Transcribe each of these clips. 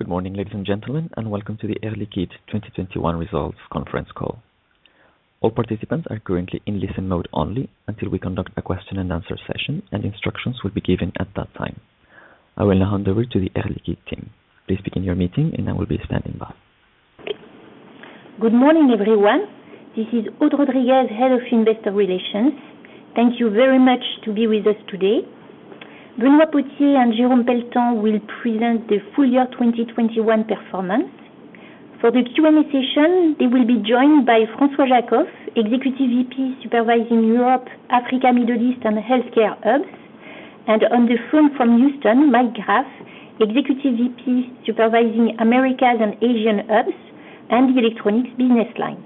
Good morning, ladies and gentlemen, and welcome to the Air Liquide 2021 results conference call. All participants are currently in listen mode only until we conduct a question and answer session, and instructions will be given at that time. I will now hand over to the Air Liquide team. Please begin your meeting, and I will be standing by. Good morning, everyone. This is Aude Rodriguez, Head of Investor Relations. Thank you very much to be with us today. Benoît Potier and Jérôme Pelletan will present the full year 2021 performance. For the Q&A session, they will be joined by François Jackow, Executive VP supervising Europe, Africa, Middle East, and Healthcare hubs. On the phone from Houston, Michael Graff, Executive VP supervising Americas and Asian hubs and the electronics business line.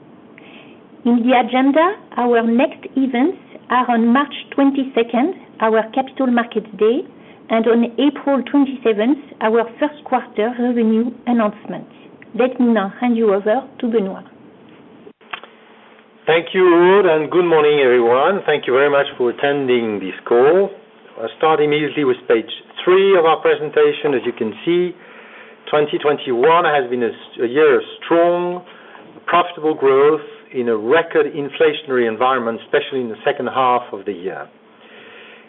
In the agenda, our next events are on March 22, our Capital Markets Day, and on April 27, our first quarter revenue announcement. Let me now hand you over to Benoît. Thank you, Aude, and good morning, everyone. Thank you very much for attending this call. I'll start immediately with page three of our presentation. As you can see, 2021 has been such a year of strong, profitable growth in a record inflationary environment, especially in the second half of the year.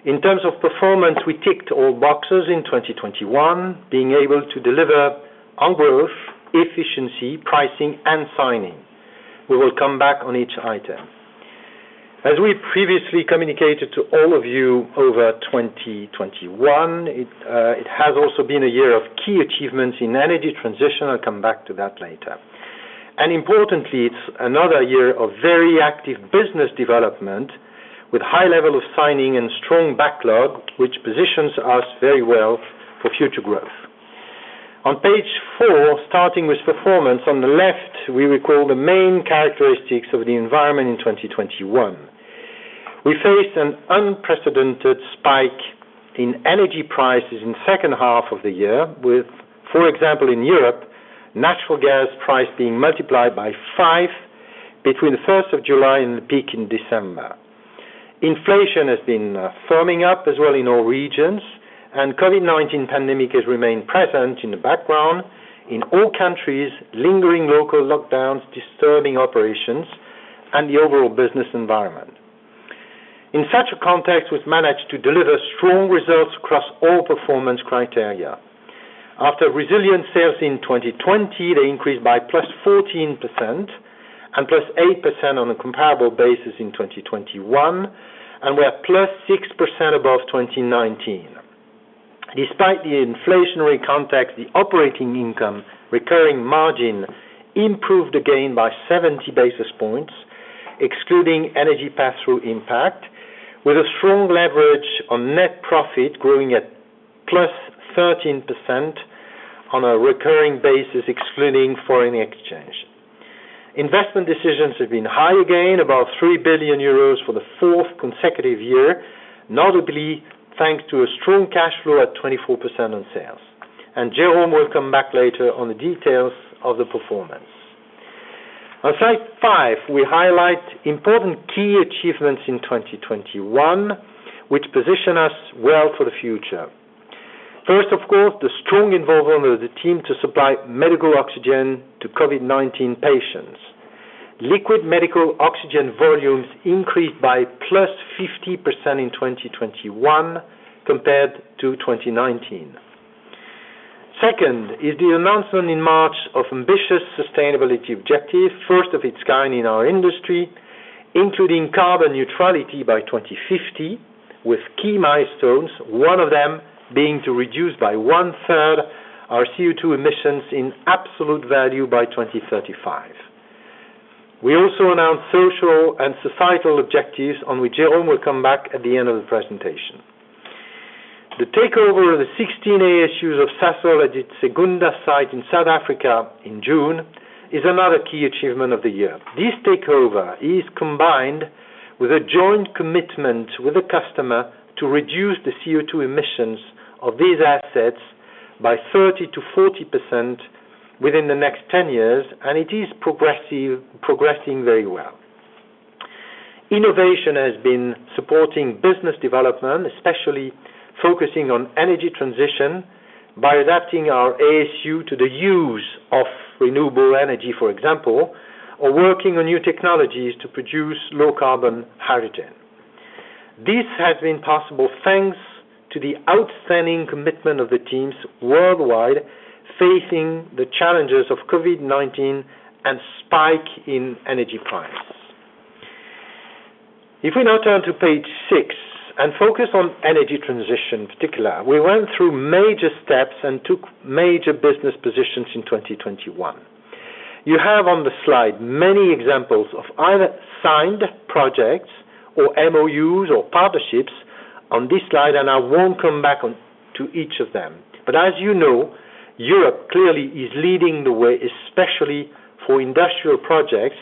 In terms of performance, we ticked all boxes in 2021, being able to deliver on growth, efficiency, pricing, and signing. We will come back on each item. As we previously communicated to all of you over 2021, it has also been a year of key achievements in energy transition. I'll come back to that later. Importantly, it's another year of very active business development with high level of signing and strong backlog, which positions us very well for future growth. On page four, starting with performance on the left, we recall the main characteristics of the environment in 2021. We faced an unprecedented spike in energy prices in H2 of the year, with, for example, in Europe, natural gas price being multiplied by five between the first of July and the peak in December. Inflation has been firming up as well in all regions, and COVID-19 pandemic has remained present in the background in all countries, lingering local lockdowns, disturbing operations, and the overall business environment. In such a context, we've managed to deliver strong results across all performance criteria. After resilient sales in 2020, they increased by +14% and +8% on a comparable basis in 2021, and we are +6% above 2019. Despite the inflationary context, the operating income recurring margin improved again by 70 basis points, excluding energy pass-through impact, with a strong leverage on net profit growing at +13% on a recurring basis, excluding foreign exchange. Investment decisions have been high again, about 3 billion euros for the fourth consecutive year, notably thanks to a strong cash flow at 24% on sales. Jérôme will come back later on the details of the performance. On slide five, we highlight important key achievements in 2021, which position us well for the future. First, of course, the strong involvement of the team to supply medical oxygen to COVID-19 patients. Liquid medical oxygen volumes increased by +50% in 2021 compared to 2019. Second is the announcement in March of ambitious sustainability objective, first of its kind in our industry, including carbon neutrality by 2050 with key milestones, one of them being to reduce by one-third our CO2 emissions in absolute value by 2035. We also announced social and societal objectives on which Jérôme will come back at the end of the presentation. The takeover of the 16 ASU of Sasol at its Secunda site in South Africa in June is another key achievement of the year. This takeover is combined with a joint commitment with a customer to reduce the CO2 emissions of these assets by 30%-40% within the next 10 years, and it is progressing very well. Innovation has been supporting business development, especially focusing on energy transition by adapting our ASU to the use of renewable energy, for example, or working on new technologies to produce low carbon hydrogen. This has been possible thanks to the outstanding commitment of the teams worldwide, facing the challenges of COVID-19 and spike in energy prices. If we now turn to page six and focus on energy transition in particular, we went through major steps and took major business positions in 2021. You have on the slide many examples of either signed projects or MOUs or partnerships on this slide, and I won't come back on to each of them. As you know, Europe clearly is leading the way, especially for industrial projects,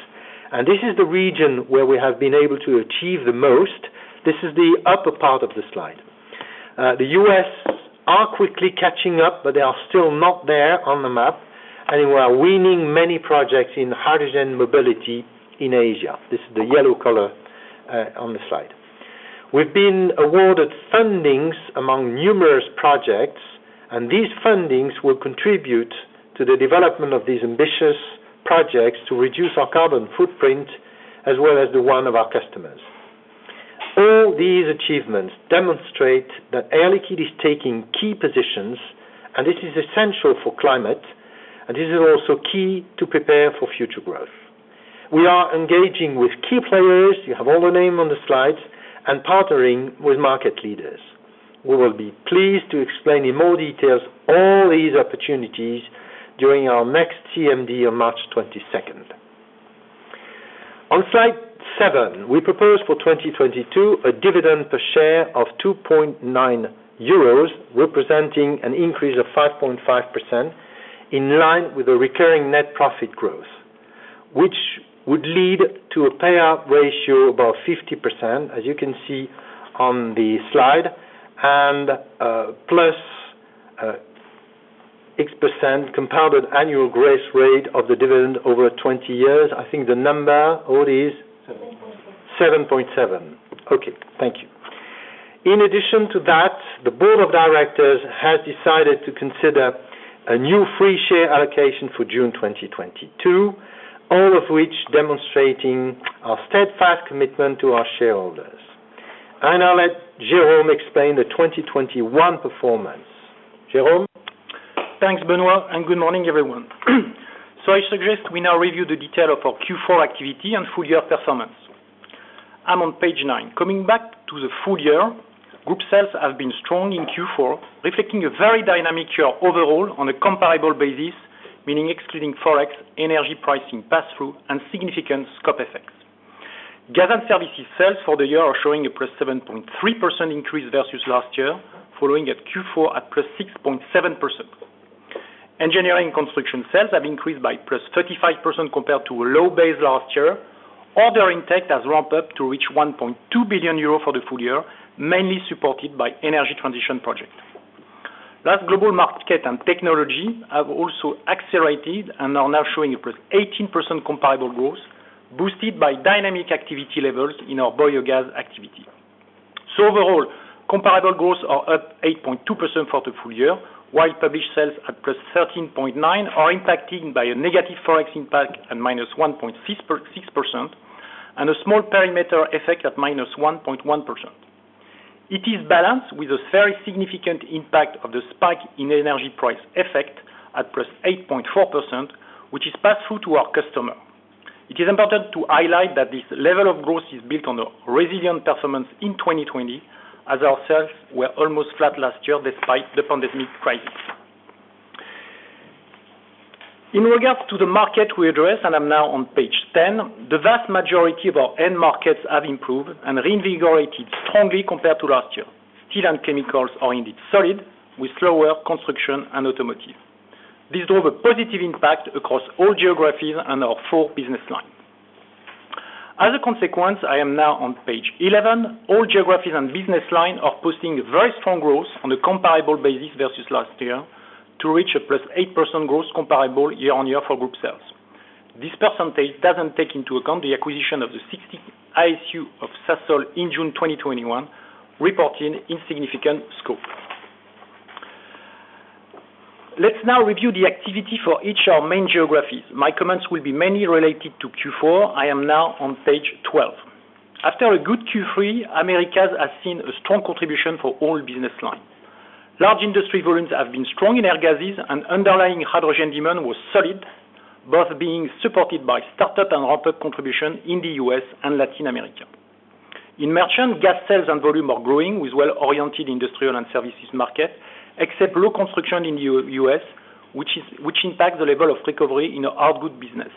and this is the region where we have been able to achieve the most. This is the upper part of the slide. The U.S. are quickly catching up, but they are still not there on the map, and we are winning many projects in hydrogen mobility in Asia. This is the yellow color on the slide. We've been awarded fundings among numerous projects, and these fundings will contribute to the development of these ambitious projects to reduce our carbon footprint, as well as the one of our customers. All these achievements demonstrate that Air Liquide is taking key positions, and it is essential for climate, and this is also key to prepare for future growth. We are engaging with key players, you have all the names on the slides, and partnering with market leaders. We will be pleased to explain in more details all these opportunities during our next CMD on March 22. On slide seven, we propose for 2022 a dividend per share of 2.9 euros, representing an increase of 5.5% in line with the recurring net profit growth, which would lead to a payout ratio about 50%, as you can see on the slide. Plus 6% compounded annual growth rate of the dividend over 20 years. I think the number, Aude, is? 7.7. 7.7. Okay. Thank you. In addition to that, the board of directors has decided to consider a new free share allocation for June 2022, all of which demonstrating our steadfast commitment to our shareholders. I now let Jérôme explain the 2021 performance. Jérôme? Thanks, Benoît, and good morning, everyone. I suggest we now review the detail of our Q4 activity and full year performance. I'm on page nine. Coming back to the full year, group sales have been strong in Q4, reflecting a very dynamic year overall on a comparable basis, meaning excluding Forex, energy pricing passthrough, and significant scope effects. Gas & Services sales for the year are showing a +7.3% increase versus last year, following a Q4 at +6.7%. Engineering & Construction sales have increased by +35% compared to a low base last year. Order intake has ramped up to reach 1.2 billion euros for the full year, mainly supported by energy transition projects. Large global markets and technology have also accelerated and are now showing a +18% comparable growth, boosted by dynamic activity levels in our biogas activity. Overall, comparable growth is up 8.2% for the full year, while published sales at +13.9% are impacted by a negative FX impact at -1.6% and a small perimeter effect at -1.1%. It is balanced with a very significant impact of the spike in energy price effect at +8.4%, which is passed through to our customer. It is important to highlight that this level of growth is built on a resilient performance in 2020, as our sales were almost flat last year despite the pandemic crisis. In regards to the market we address, and I'm now on page 10, the vast majority of our end markets have improved and reinvigorated strongly compared to last year. Steel and chemicals are indeed solid, with slower construction and automotive. This drove a positive impact across all geographies and our four business lines. As a consequence, I am now on page 11. All geographies and business lines are posting a very strong growth on a comparable basis versus last year to reach a +8% growth comparable year-on-year for group sales. This percentage doesn't take into account the acquisition of the 60 ASU of Sasol in June 2021, representing insignificant scope. Let's now review the activity for each of our main geographies. My comments will be mainly related to Q4. I am now on page 12. After a good Q3, Americas has seen a strong contribution for all business line. Large Industries volumes have been strong in air gases and underlying hydrogen demand was solid, both being supported by startup and ramped contribution in the U.S. and Latin America. In merchant, gas sales and volume are growing with well-oriented industrial and services market, except low construction in U.S., which impacts the level of recovery in our hard goods business.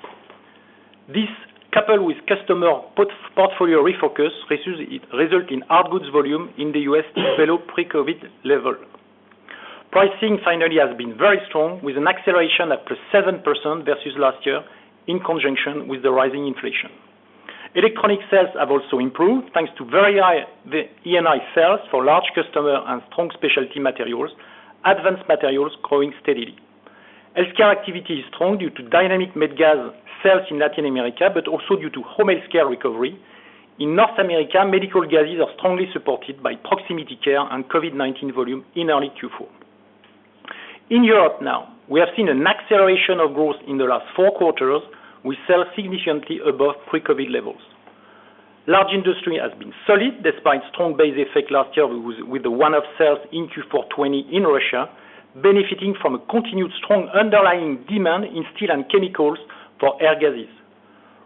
This, coupled with customer portfolio refocus, results in hard goods volume in the U.S. to below pre-COVID level. Pricing finally has been very strong, with an acceleration at +7% versus last year in conjunction with the rising inflation. Electronics sales have also improved thanks to very high E&I sales for large customer and strong Specialty Materials, Advanced Materials growing steadily. Healthcare activity is strong due to dynamic medical gas sales in Latin America, but also due to home healthcare recovery. In North America, medical gases are strongly supported by proximity care and COVID-19 volume in early Q4. In Europe now, we have seen an acceleration of growth in the last four quarters with sales significantly above pre-COVID levels. Large Industries has been solid despite strong base effect last year with the one-off sales in Q4 2020 in Russia, benefiting from a continued strong underlying demand in steel and chemicals for air gases.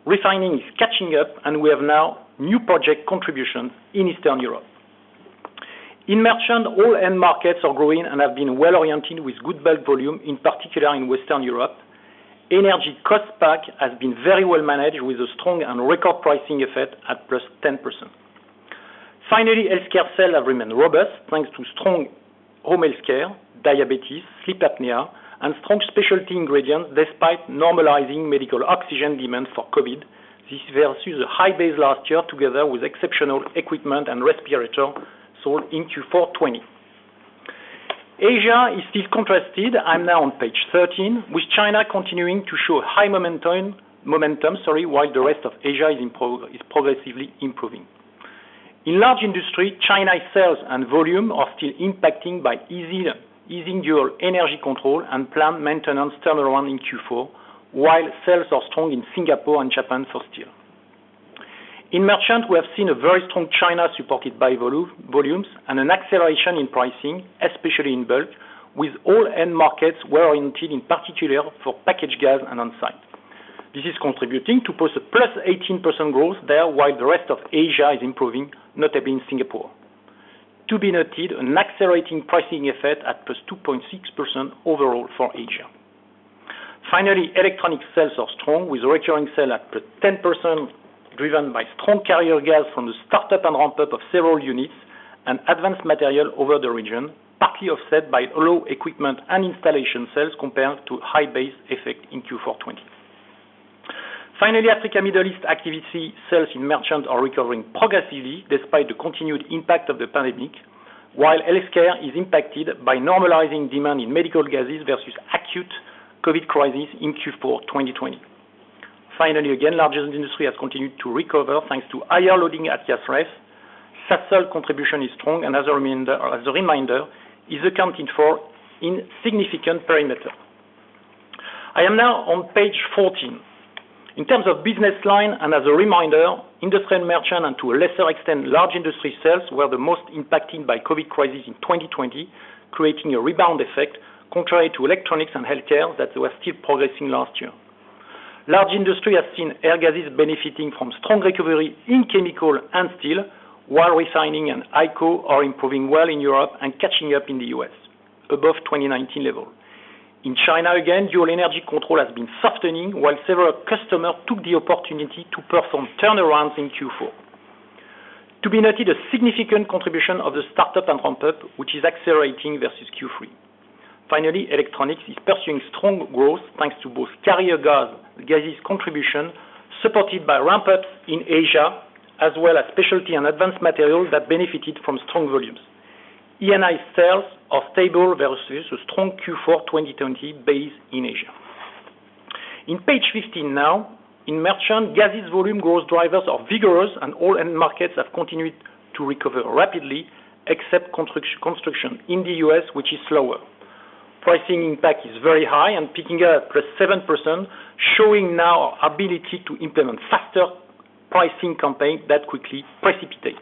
Refining is catching up, and we have now new project contributions in Eastern Europe. In merchant, all end markets are growing and have been well-oriented with good bulk volume, in particular in Western Europe. Energy cost impact has been very well managed with a strong and record pricing effect at 10%. Finally, healthcare sales have remained robust thanks to strong home healthcare, diabetes, sleep apnea, and strong specialty ingredients despite normalizing medical oxygen demand for COVID. This versus a high base last year together with exceptional equipment and respirator sold in Q4 2020. Asia is still contrasted. I'm now on page 13, with China continuing to show high momentum while the rest of Asia is progressively improving. In large industry, China sales and volume are still impacted by easing dual energy control and plant maintenance turnaround in Q4, while sales are strong in Singapore and Japan for steel. In merchant, we have seen a very strong China supported by volumes and an acceleration in pricing, especially in bulk, with all end markets well oriented, in particular for packaged gas and on site. This is contributing to post a +18% growth there, while the rest of Asia is improving, notably in Singapore. To be noted, an accelerating pricing effect at +2.6% overall for Asia. Finally, electronics sales are strong, with recurring sales at +10%, driven by strong carrier gas from the startup and ramp-up of several units and advanced material over the region, partly offset by low equipment and installation sales compared to high base effect in Q4 2020. Finally, Africa, Middle East activity sales in merchant are recovering progressively despite the continued impact of the pandemic, while healthcare is impacted by normalizing demand in medical gases versus acute COVID crisis in Q4 2020. Finally, again, larger industry has continued to recover thanks to higher loading at gas rest. Sasol contribution is strong and as a reminder, is accounted for in significant perimeter. I am now on page 14. In terms of business line and as a reminder, Industrial Merchant and to a lesser extent, Large Industries sales were the most impacted by COVID-19 crisis in 2020, creating a rebound effect contrary to Electronics and Healthcare that they were still progressing last year. Large Industries has seen air gases benefiting from strong recovery in chemicals and steel, while refining and HyCO are improving well in Europe and catching up in the U.S. above 2019 level. In China again, dual control of energy consumption has been softening, while several customers took the opportunity to perform turnarounds in Q4. To be noted, a significant contribution of the startup and ramp-up, which is accelerating versus Q3. Finally, Electronics is pursuing strong growth, thanks to both carrier gas, gases contribution, supported by ramp-ups in Asia, as well as specialty and Advanced Materials that benefited from strong volumes. Industrial sales are stable versus a strong Q4 2020 base in Asia. On page 15 now, in merchant gases volume growth drivers are vigorous and all end markets have continued to recover rapidly, except construction in the U.S., which is slower. Pricing impact is very high and picking up at +7%, showing our ability to implement faster pricing campaigns that quickly precipitate.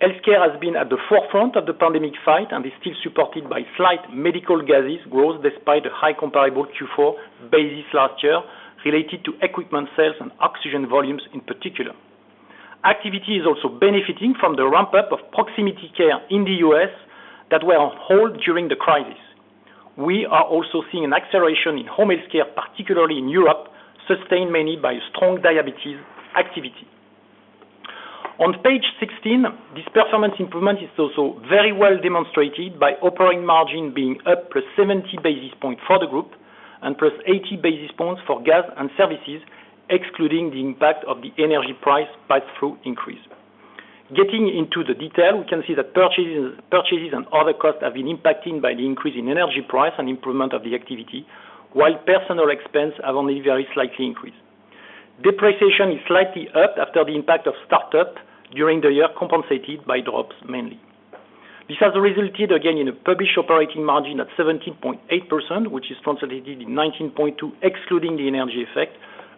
Healthcare has been at the forefront of the pandemic fight and is still supported by solid medical gases growth despite a high comparable Q4 base last year related to equipment sales and oxygen volumes in particular. Activity is also benefiting from the ramp-up of proximity care in the U.S. that were on hold during the crisis. We are also seeing an acceleration in home healthcare, particularly in Europe, sustained mainly by strong diabetes activity. On page 16, this performance improvement is also very well demonstrated by operating margin being up plus 70 basis points for the group and plus 80 basis points for gas and services, excluding the impact of the energy price pass-through increase. Getting into the detail, we can see that purchases and other costs have been impacted by the increase in energy price and improvement of the activity, while personnel expenses have only very slightly increased. Depreciation is slightly up after the impact of start-ups during the year, compensated by drops mainly. This has resulted again in a published operating margin at 17.8%, which is consolidated in 19.2, excluding the energy effect.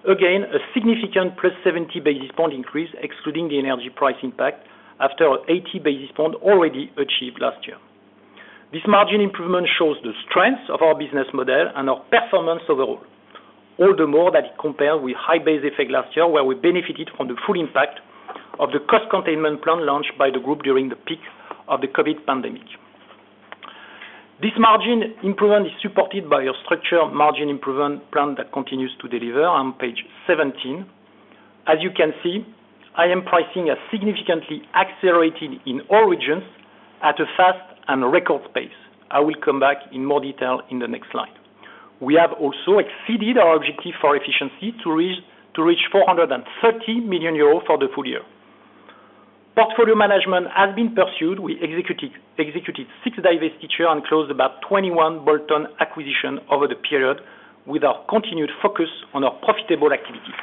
Again, a significant plus 70 basis point increase, excluding the energy price impact after 80 basis point already achieved last year. This margin improvement shows the strength of our business model and our performance overall. All the more that it compared with high base effect last year, where we benefited from the full impact of the cost containment plan launched by the group during the peak of the COVID pandemic. This margin improvement is supported by a structural margin improvement plan that continues to deliver on page 17. As you can see, IM pricing has significantly accelerated in all regions at a fast and record pace. I will come back in more detail in the next slide. We have also exceeded our objective for efficiency to reach 430 million euros for the full year. Portfolio management has been pursued. We executed six divestitures and closed about 21 bolt-on acquisitions over the period with our continued focus on our profitable activities.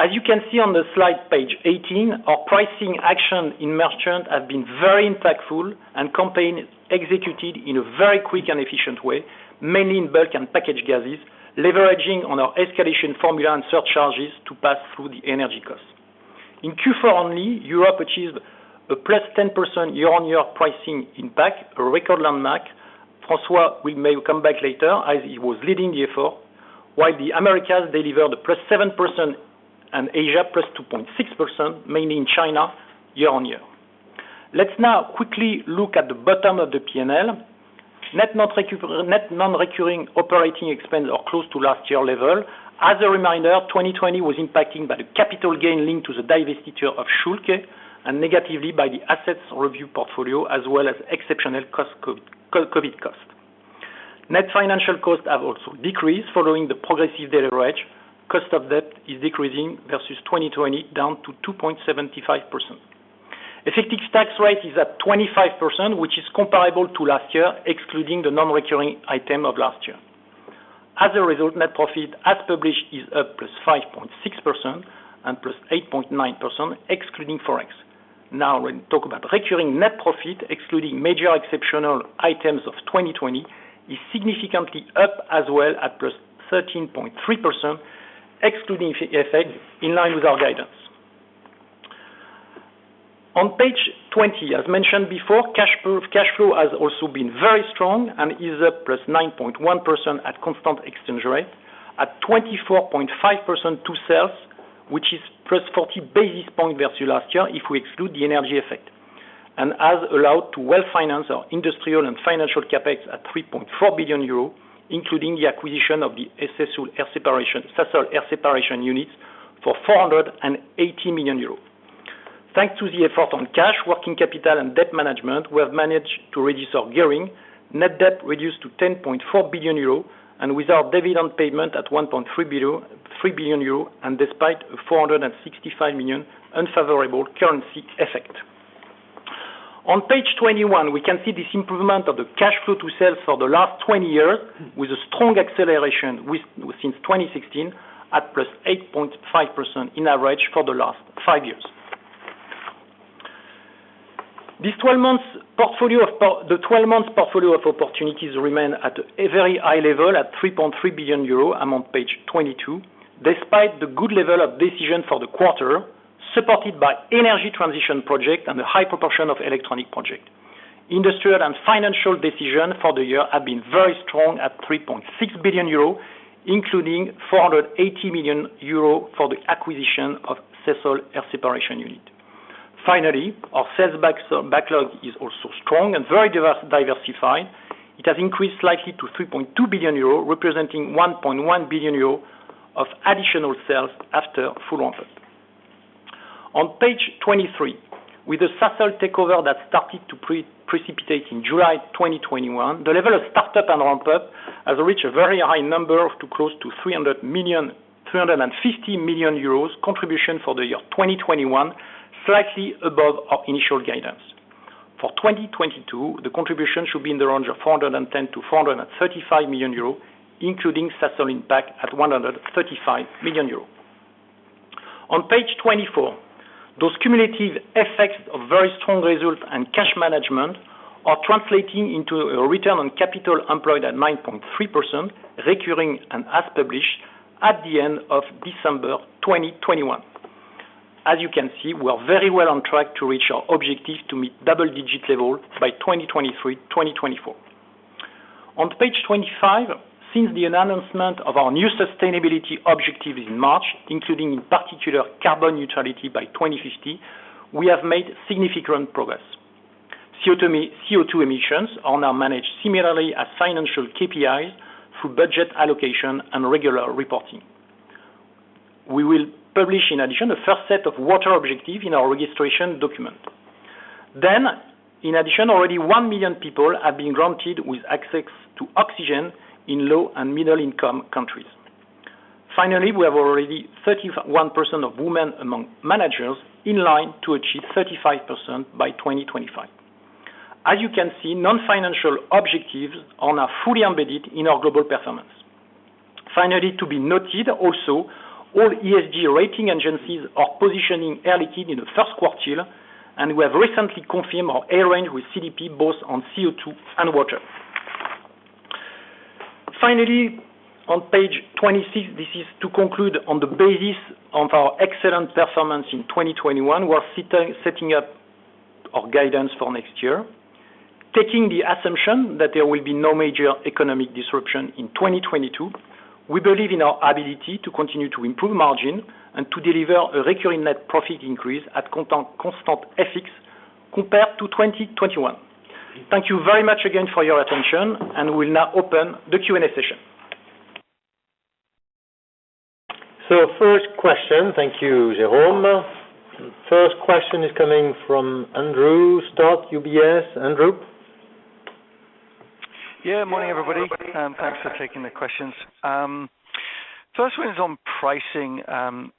As you can see on the slide page 18, our pricing action in merchant have been very impactful and campaign executed in a very quick and efficient way, mainly in bulk and packaged gases, leveraging on our escalation formula and surcharges to pass through the energy cost. In Q4 only, Europe achieved a +10% year-on-year pricing impact, a record landmark. François will maybe come back later, as he was leading the effort, while the Americas delivered a +7% and Asia +2.6%, mainly in China, year-on-year. Let's now quickly look at the bottom of the P&L. Net non-recurring operating expense are close to last year level. As a reminder, 2020 was impacted by the capital gain linked to the divestiture of Schülke and negatively by the asset review portfolio, as well as exceptional COVID costs. Net financial costs have also decreased following the progressive de-leverage. Cost of debt is decreasing versus 2020, down to 2.75%. Effective tax rate is at 25%, which is comparable to last year, excluding the non-recurring item of last year. As a result, net profit as published is up +5.6% and +8.9% excluding Forex. Now when we talk about recurring net profit, excluding major exceptional items of 2020, is significantly up as well at +13.3% excluding effect, in line with our guidance. On page 20, as mentioned before, cash flow has also been very strong and is up +9.1% at constant exchange rate, 24.5% to sales, which is +40 basis points versus last year if we exclude the energy effect. This has allowed us to well finance our industrial and financial CapEx at 3.4 billion euro, including the acquisition of the Air Separation Units for 480 million euros. Thanks to the effort on cash, working capital and debt management, we have managed to reduce our gearing. Net debt reduced to 10.4 billion euro with our dividend payment at 3 billion euro and despite a 465 million unfavorable currency effect. On page 21, we can see this improvement of the cash flow to sales for the last 20 years with a strong acceleration since 2016 at +8.5% in average for the last five years. This 12-month portfolio of opportunities remains at a very high level at 3.3 billion euro, on page 22, despite the good level of decisions for the quarter, supported by energy transition projects and the high proportion of Electronics projects. Industrial and financial decisions for the year have been very strong at 3.6 billion euro, including 480 million euro for the acquisition of Air Separation Unit. Finally, our sales backlog is also strong and very diversified. It has increased likely to 3.2 billion euros, representing 1.1 billion euros of additional sales after full ramp up. On page 23, with the Sasol takeover that started to contribute in July 2021, the level of start-up and ramp-up has reached a very high number close to 350 million euros contribution for the year 2021, slightly above our initial guidance. For 2022, the contribution should be in the range of 410 million-435 million euros, including Sasol impact at 135 million euros. On page 24, those cumulative effects of very strong results and cash management are translating into a return on capital employed at 9.3%, recurring and as published at the end of December 2021. As you can see, we are very well on track to reach our objective to meet double-digit levels by 2023, 2024. On page 25, since the announcement of our new sustainability objective in March, including in particular carbon neutrality by 2050, we have made significant progress. CO2e, CO2 emissions are now managed similarly as financial KPIs through budget allocation and regular reporting. We will publish, in addition, a first set of water objective in our registration document. In addition, already 1 million people have been granted with access to oxygen in low and middle income countries. Finally, we have already 31% of women among managers in line to achieve 35% by 2025. As you can see, non-financial objectives are now fully embedded in our global performance. Finally, to be noted also, all ESG rating agencies are positioning Air Liquide in the first quartile, and we have recently confirmed our A rating with CDP both on CO2 and water. Finally, on page 26, this is to conclude on the basis of our excellent performance in 2021, we are setting up our guidance for next year. Taking the assumption that there will be no major economic disruption in 2022, we believe in our ability to continue to improve margin and to deliver a recurring net profit increase at constant FX compared to 2021. Thank you very much again for your attention, and we will now open the Q&A session. First question. Thank you, Jérôme. First question is coming from Andrew Stott, UBS. Andrew? Yeah, morning, everybody, and thanks for taking the questions. First one is on pricing.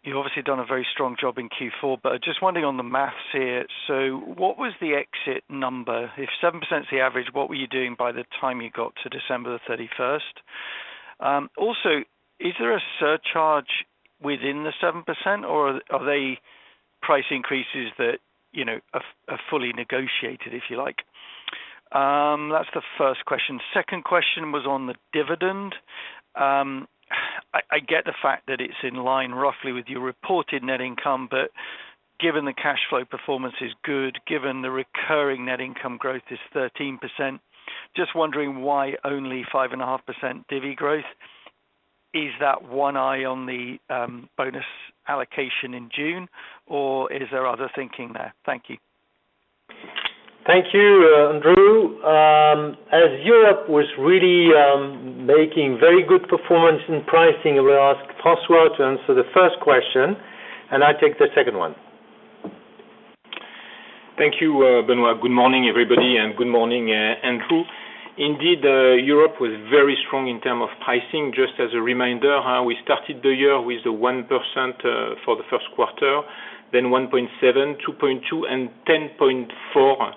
You've obviously done a very strong job in Q4, but just wondering on the math here. So what was the exit number? If 7% is the average, what were you doing by the time you got to December 31? Also, is there a surcharge within the 7% or are they price increases that, you know, are fully negotiated, if you like? That's the first question. Second question was on the dividend. I get the fact that it's in line roughly with your reported net income, but given the cash flow performance is good, given the recurring net income growth is 13%, just wondering why only 5.5% divvy growth. Is that one eye on the bonus allocation in June, or is there other thinking there? Thank you. Thank you, Andrew. As Europe was really making very good performance in pricing, I will ask François to answer the first question, and I take the second one. Thank you, Benoît. Good morning, everybody, and good morning, Andrew. Indeed, Europe was very strong in terms of pricing. Just as a reminder, how we started the year with the 1% for the Q1, then 1.7, 2.2, and 10.4%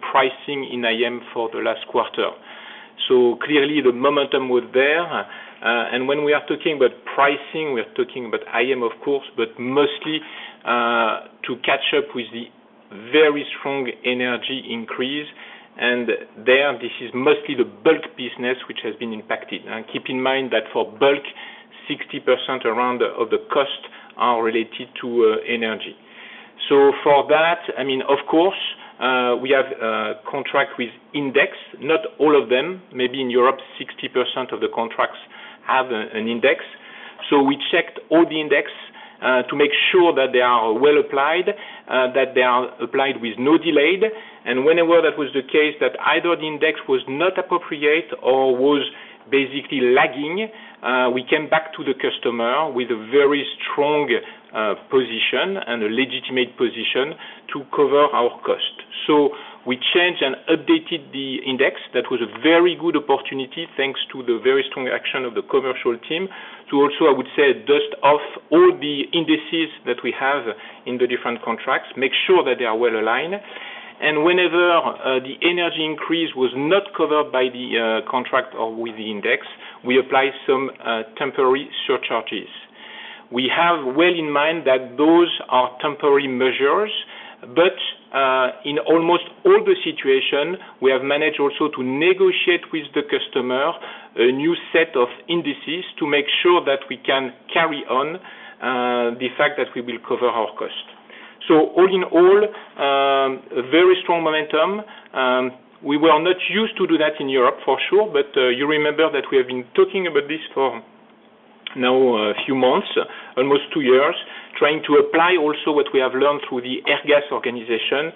pricing in IM for the last quarter. Clearly the momentum was there. When we are talking about pricing, we are talking about IM, of course, but mostly to catch up with the very strong energy increase. There, this is mostly the bulk business which has been impacted. Keep in mind that for bulk, around 60% of the costs are related to energy. For that, I mean, of course, we have a contract with index, not all of them. Maybe in Europe, 60% of the contracts have an index. We checked all the indices to make sure that they are well applied, that they are applied with no delay. Whenever that was the case that either the index was not appropriate or was basically lagging, we came back to the customer with a very strong position and a legitimate position to cover our costs. We changed and updated the indices. That was a very good opportunity, thanks to the very strong action of the commercial team, to also, I would say, dust off all the indices that we have in the different contracts, make sure that they are well aligned. Whenever the energy increase was not covered by the contract or with the index, we applied some temporary surcharges. We have well in mind that those are temporary measures. In almost all the situations, we have managed also to negotiate with the customer a new set of indices to make sure that we can carry on the fact that we will cover our cost. All in all, a very strong momentum. We were not used to do that in Europe for sure. You remember that we have been talking about this for now a few months, almost two years, trying to apply also what we have learned through the Airgas organization,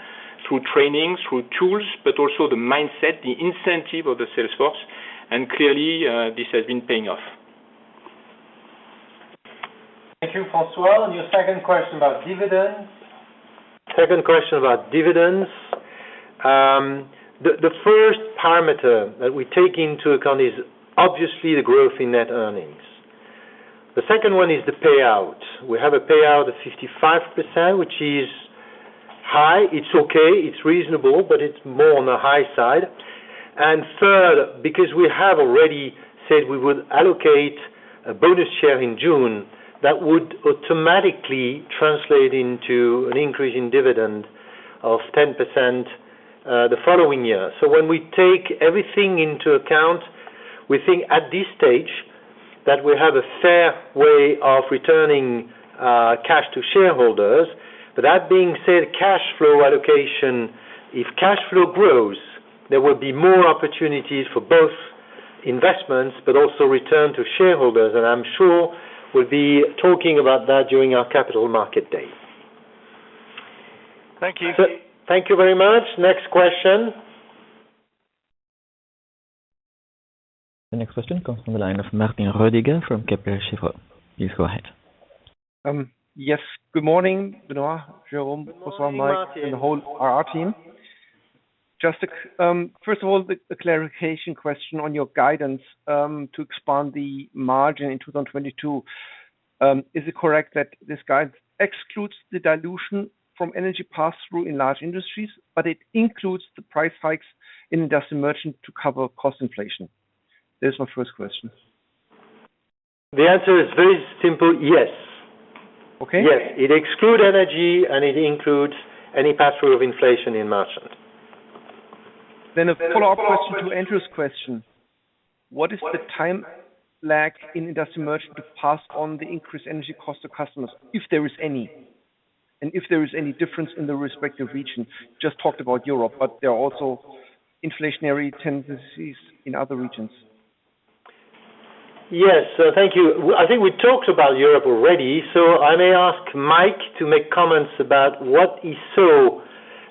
through training, through tools, but also the mindset, the incentive of the sales force, and clearly, this has been paying off. Thank you, François. Your second question about dividends. Second question about dividends. The first parameter that we take into account is obviously the growth in net earnings. The second one is the payout. We have a payout of 55%, which is high. It's okay, it's reasonable, but it's more on the high side. Third, because we have already said we would allocate a bonus share in June, that would automatically translate into an increase in dividend of 10% the following year. When we take everything into account, we think at this stage that we have a fair way of returning cash to shareholders. That being said, cash flow allocation, if cash flow grows, there will be more opportunities for both investments but also return to shareholders, and I'm sure we'll be talking about that during our Capital Markets Day. Thank you. Thank you very much. Next question. The next question comes from the line of Martin Rödiger from Kepler Cheuvreux. Please go ahead. Yes. Good morning, Benoît, Jérôme. Good morning, Martin. François, Mike, and the whole IR team. Just, first of all, a clarification question on your guidance to expand the margin in 2022. Is it correct that this guide excludes the dilution from energy pass-through in large industries, but it includes the price hikes in Industrial Merchant to cover cost inflation? That is my first question. The answer is very simple, yes. Okay. Yes. It excludes energy, and it includes any pass-through of inflation in Merchant. A follow-up question to Andrew's question. What is the time lag in Industrial Merchant to pass on the increased energy cost to customers, if there is any, and if there is any difference in the respective region? Just talked about Europe, but there are also inflationary tendencies in other regions. Yes. Thank you. I think we talked about Europe already, so I may ask Mike to make comments about what he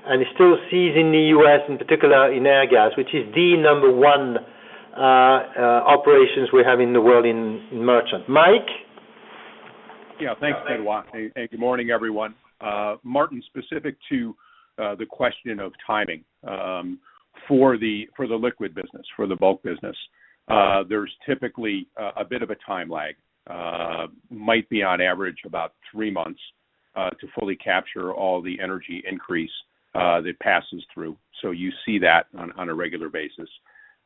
saw and he still sees in the U.S., in particular in Airgas, which is the number one operations we have in the world in Merchant. Mike? Yeah. Thanks, Benoît. Good morning, everyone. Martin, specific to the question of timing, for the liquid business, for the bulk business, there's typically a bit of a time lag. Might be on average about three months to fully capture all the energy increase that passes through. You see that on a regular basis.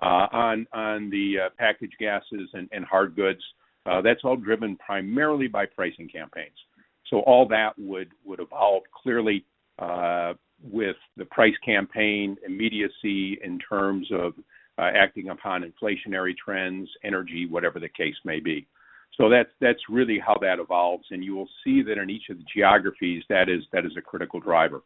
On the packaged gases and hard goods, that's all driven primarily by pricing campaigns. All that would evolve clearly with the price campaign immediacy in terms of acting upon inflationary trends, energy, whatever the case may be. That's really how that evolves. You will see that in each of the geographies, that is a critical driver.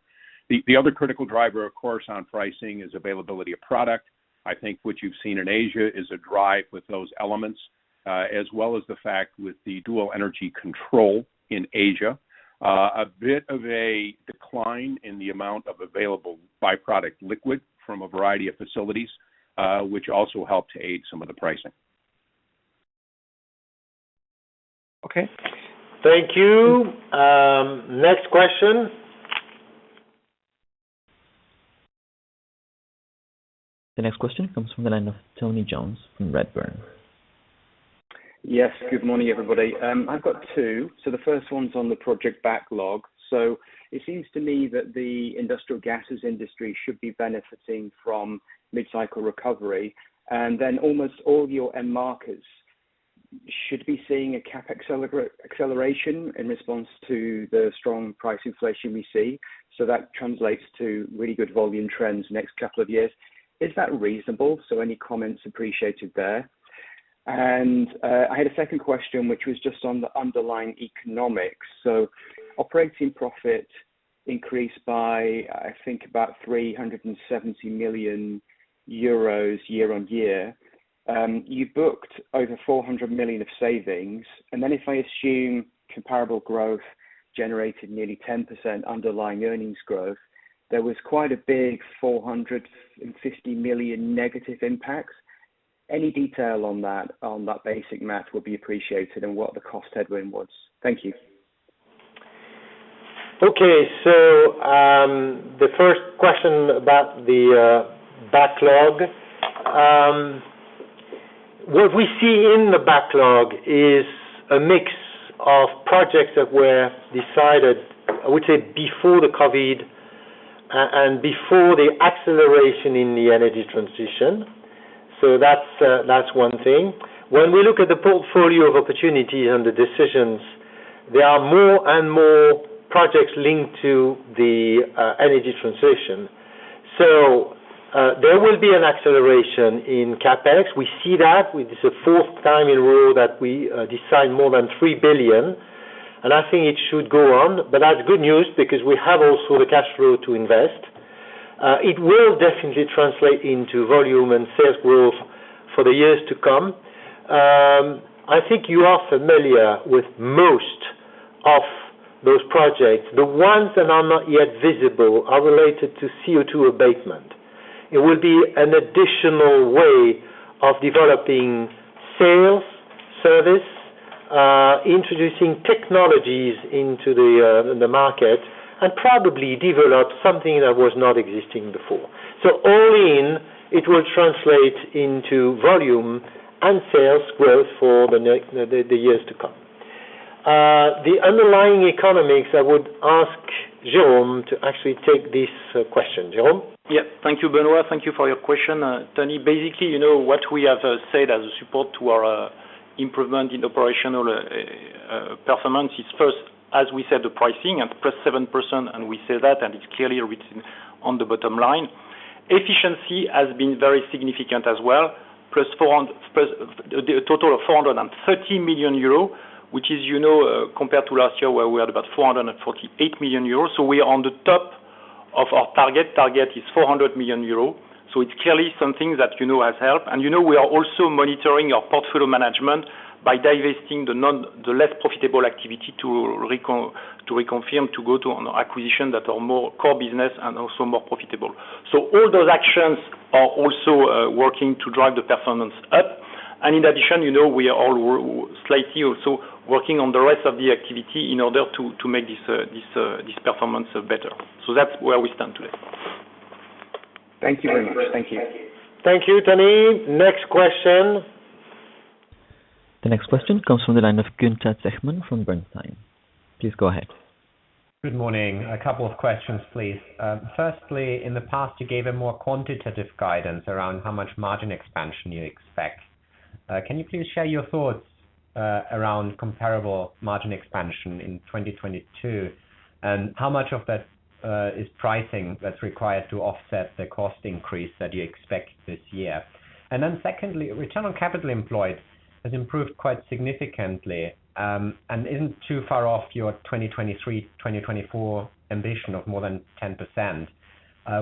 The other critical driver, of course, on pricing is availability of product. I think what you've seen in Asia is a drive with those elements, as well as the fact with the dual energy control in Asia. A bit of a decline in the amount of available byproduct liquid from a variety of facilities, which also helped to aid some of the pricing. Okay. Thank you. Next question. The next question comes from the line of Tony Jones from Redburn. Yes. Good morning, everybody. I've got two. The first one's on the project backlog. It seems to me that the industrial gases industry should be benefiting from mid-cycle recovery, and then almost all your end markets should be seeing a CapEx-led acceleration in response to the strong price inflation we see. That translates to really good volume trends next couple of years. Is that reasonable? Any comments appreciated there. I had a second question, which was just on the underlying economics. Operating profit increased by, I think about 370 million euros year-on-year. You booked over 400 million of savings. Then if I assume comparable growth generated nearly 10% underlying earnings growth, there was quite a big 450 million negative impact. Any detail on that, on that basic math would be appreciated and what the cost headwind was. Thank you. Okay. The first question about the backlog. What we see in the backlog is a mix of projects that were decided, I would say, before the COVID, and before the acceleration in the energy transition. That's one thing. When we look at the portfolio of opportunities and the decisions, there are more and more projects linked to the energy transition. There will be an acceleration in CapEx. We see that. It is the fourth time in a row that we decide more than 3 billion, and I think it should go on. That's good news because we have also the cash flow to invest. It will definitely translate into volume and sales growth for the years to come. I think you are familiar with most of those projects. The ones that are not yet visible are related to CO2 abatement. It will be an additional way of developing sales, service, introducing technologies into the market and probably develop something that was not existing before. All in, it will translate into volume and sales growth for the years to come. The underlying economics, I would ask Jérôme to actually take this question. Jérôme? Yeah. Thank you, Benoît. Thank you for your question, Tony. Basically, you know, what we have said as a support to our improvement in operational performance is first, as we said, the pricing at +7%, and we say that, and it's clearly written on the bottom line. Efficiency has been very significant as well, plus a total of 430 million euros, which is, you know, compared to last year where we had about 448 million euros. We are on the top of our target. Target is 400 million euros. It's clearly something that, you know, has helped. You know, we are also monitoring our portfolio management by divesting the less profitable activity to reconfirm, to go to an acquisition that are more core business and also more profitable. All those actions are also working to drive the performance up. In addition, you know, we are all slightly also working on the rest of the activity in order to make this performance better. That's where we stand today. Thank you very much. Thank you. Thank you, Tony. Next question. The next question comes from the line of Gunther Zechmann from Bernstein. Please go ahead. Good morning. A couple of questions, please. Firstly, in the past, you gave a more quantitative guidance around how much margin expansion you expect. Can you please share your thoughts around comparable margin expansion in 2022? And how much of that is pricing that's required to offset the cost increase that you expect this year? And then secondly, return on capital employed has improved quite significantly, and isn't too far off your 2023, 2024 ambition of more than 10%.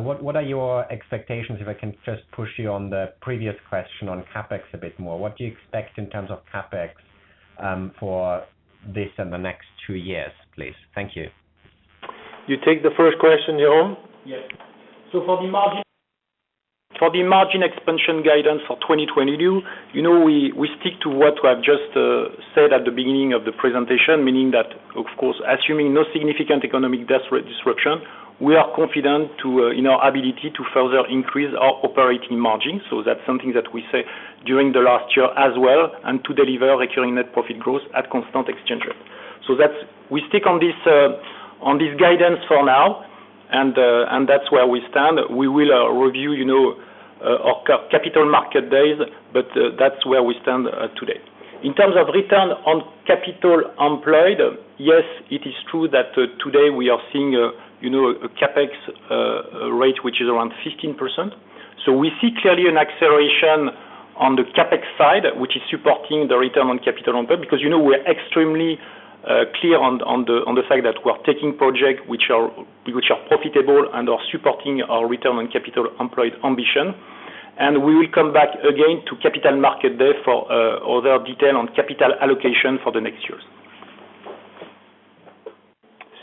What are your expectations, if I can just push you on the previous question on CapEx a bit more? What do you expect in terms of CapEx for this and the next two years, please? Thank you. You take the first question, Jérôme? Yes, for the margin expansion guidance for 2022, you know, we stick to what I've just said at the beginning of the presentation, meaning that, of course, assuming no significant economic disruption, we are confident in our ability to further increase our operating margin. That's something that we say during the last year as well and to deliver recurring net profit growth at constant exchange rate. We stick to this guidance for now, and that's where we stand. We will review, you know, our Capital Markets Day, but that's where we stand today. In terms of return on capital employed, yes, it is true that today we are seeing a CapEx rate, which is around 15%. We see clearly an acceleration on the CapEx side, which is supporting the return on capital employed, because, you know, we're extremely clear on the fact that we are taking projects which are profitable and are supporting our return on capital employed ambition. We will come back again to Capital Markets Day for other detail on capital allocation for the next years.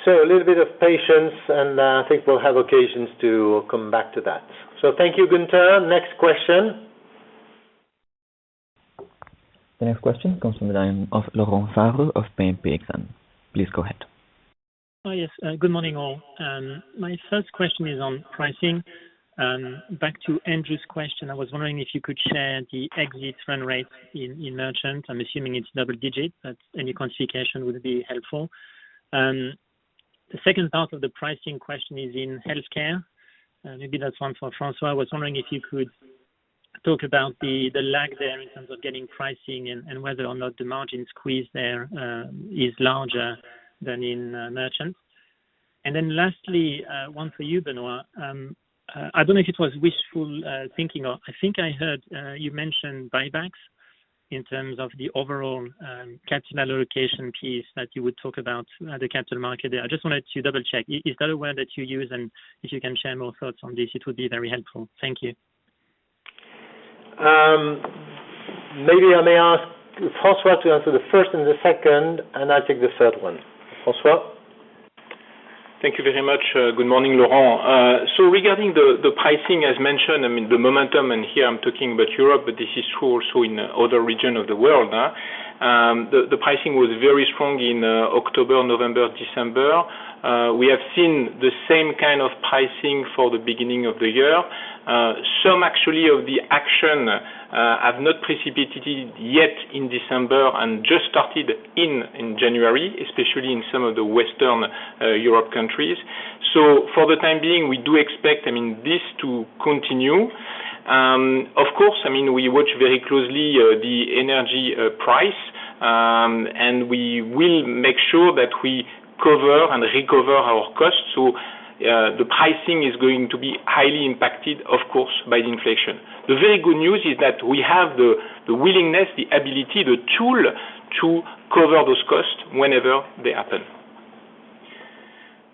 A little bit of patience, and I think we'll have occasions to come back to that. Thank you, Gunther. Next question. The next question comes from the line of Laurent Favre of BNP Exane. Please go ahead. Oh, yes. Good morning, all. My first question is on pricing. Back to Andrew's question, I was wondering if you could share the exit run rate in merchant. I'm assuming it's double-digit, but any quantification would be helpful. The second part of the pricing question is in healthcare. Maybe that's one for François. I was wondering if you could talk about the lag there in terms of getting pricing and whether or not the margin squeeze there is larger than in merchants. Then lastly, one for you, Benoît. I don't know if it was wishful thinking or I think I heard you mention buybacks in terms of the overall capital allocation piece that you would talk about at the Capital Markets Day. I just wanted to double-check. Is that a word that you use? If you can share more thoughts on this, it would be very helpful. Thank you. Maybe I may ask François to answer the first and the second, and I'll take the third one. François. Thank you very much. Good morning, Laurent. Regarding the pricing as mentioned, I mean, the momentum, and here I'm talking about Europe, but this is true also in other region of the world. The pricing was very strong in October, November, December. We have seen the same kind of pricing for the beginning of the year. Some actually of the action have not precipitated yet in December and just started in January, especially in some of the Western Europe countries. For the time being, we do expect, I mean, this to continue. Of course, I mean, we watch very closely the energy price and we will make sure that we cover and recover our costs. The pricing is going to be highly impacted, of course, by the inflation. The very good news is that we have the willingness, the ability, the tool to cover those costs whenever they happen.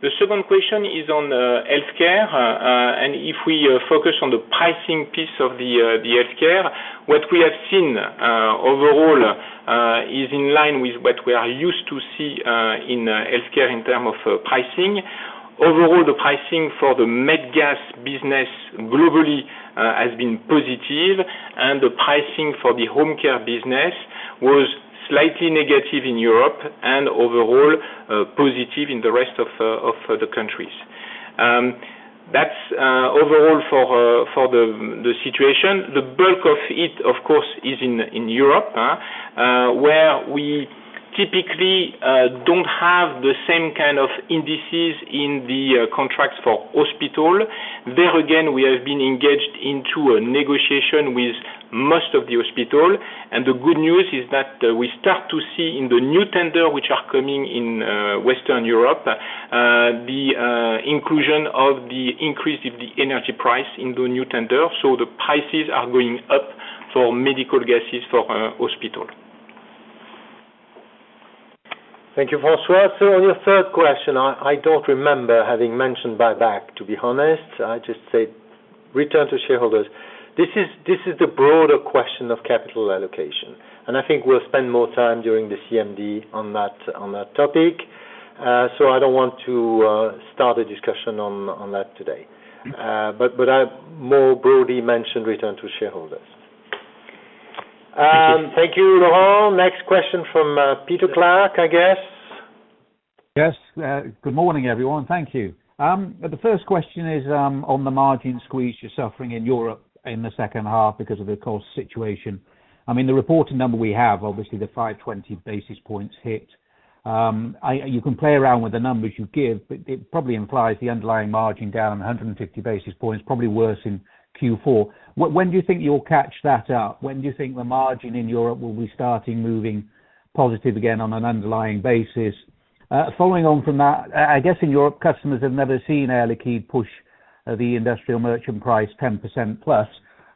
The second question is on healthcare, and if we focus on the pricing piece of the healthcare, what we have seen overall is in line with what we are used to see in healthcare in terms of pricing. Overall, the pricing for the med gas business globally has been positive, and the pricing for the home care business was slightly negative in Europe and overall positive in the rest of the countries. That's overall for the situation. The bulk of it, of course, is in Europe, where we typically don't have the same kind of indices in the contracts for hospital. There again, we have been engaged into a negotiation with most of the hospital, and the good news is that we start to see in the new tender, which are coming in, Western Europe, the inclusion of the increase of the energy price in the new tender. The prices are going up for medical gases for hospital. Thank you, François Jackow. On your third question, I don't remember having mentioned buyback, to be honest. I just said return to shareholders. This is the broader question of capital allocation, and I think we'll spend more time during the CMD on that topic. I don't want to start a discussion on that today. Okay. I more broadly mentioned return to shareholders. Thank you. Thank you, Lauren. Next question from Peter Clark, I guess. Yes. Good morning, everyone. Thank you. The first question is on the margin squeeze you're suffering in Europe in the H2 because of the cost situation. I mean, the reporting number we have, obviously the 520 basis points hit. You can play around with the numbers you give, but it probably implies the underlying margin down 150 basis points, probably worse in Q4. When do you think you'll catch that up? When do you think the margin in Europe will be starting moving positive again on an underlying basis? Following on from that, I guess in Europe, customers have never seen Air Liquide push the industrial merchant price 10% plus.